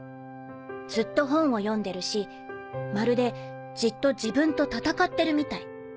ずっと本を読んでるしまるでじっと自分と闘ってるみたい。